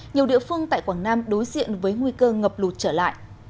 nhiều địa phương tại quảng nam đối diện với nguy cơ ngập lụt trở lại